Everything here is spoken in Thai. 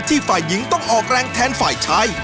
ฝ่ายหญิงต้องออกแรงแทนฝ่ายชาย